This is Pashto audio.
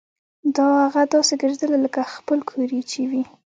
داه اغه داسې ګرځېدله لکه خپل کور چې يې وي.